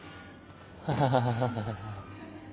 ハハハハ。